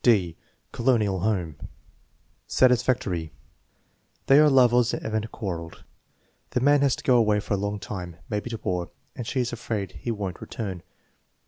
(d) Colonial Home ^ Satisfactory. "They are lovers and have quarreled." "The man has to go away for a long time, maybe to war, and she is afraid he won't return."